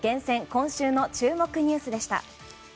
今週の注目ニュースでした。